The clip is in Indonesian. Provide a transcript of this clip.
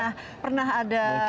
nah pernah ada pengalaman ya